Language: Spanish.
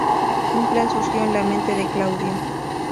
Un plan surgió en la mente de Claudio.